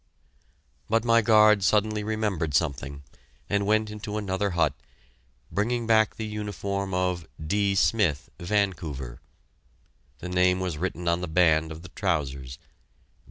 But my guard suddenly remembered something, and went into another hut, bringing back the uniform of "D. Smith, Vancouver." The name was written on the band of the trousers.